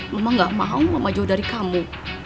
mama gak mau mama jauh dari kamu